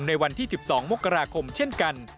ในวันที่๑๒มกราคมเช่นกัน